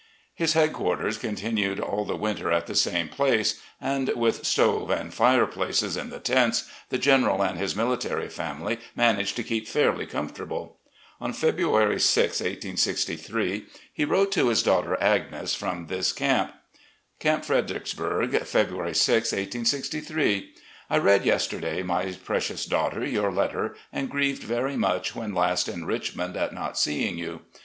His headquarters continued all the winter at the same place, and with stove and fire places in the tents, the General and his miUtary family managed to keep fairly comfortable. On February 6, 1863, he wrote to his daugh ter, Agnes, from this camp: 91 92 RECOLLECTIONS OP GENERAL LEE "Camp Fredericksburg, February 6, 1863. "... I read yesterday, my precious daughter, your letter, and grieved very much when last in Richmond at not seeing you.